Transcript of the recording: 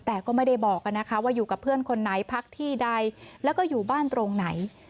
แต่ก็ไม่ได้บอกนะคะว่าอยู่กับเพื่อนคนไหนพักที่ใดแล้วก็อยู่บ้านตรงไหน